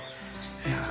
いや。